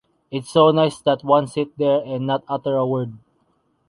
It’s so nice that one sit there and not utter a word.